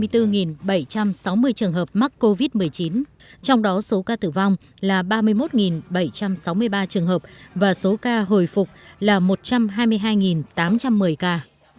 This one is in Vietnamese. hai trăm hai mươi bốn bảy trăm sáu mươi trường hợp mắc covid một mươi chín trong đó số ca tử vong là ba mươi một bảy trăm sáu mươi ba trường hợp và số ca hồi phục là một trăm hai mươi hai tám trăm một mươi ca